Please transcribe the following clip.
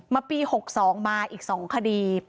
มาปี๑๙๖๒มาอีก๒คดี